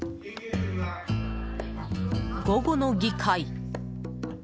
午後の議会。